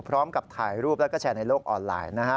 พร้อมกับถ่ายรูปแล้วก็แชร์ในโลกออนไลน์นะฮะ